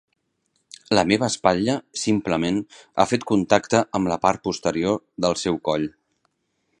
La meva espatlla simplement ha fet contacte amb la part posterior del seu coll.